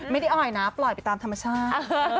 ไม่ได้อ่อยนะปล่อยไปตามธรรมชาติ